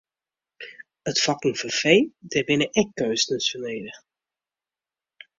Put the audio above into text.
It fokken fan fee, dêr binne ek keunstners foar nedich.